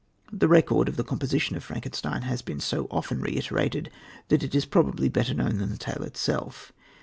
The record of the composition of Frankenstein has been so often reiterated that it is probably better known than the tale itself.